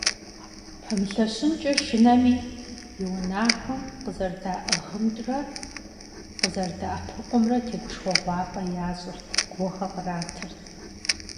Пэмылъэщынкӏэ шынэми, и унагъуэм къызэрыдаӏыгъымрэ къызэрыдэӏэпыкъумрэ тегушхуэгъуафӀэ ящӏырт, гугъэ къратырт.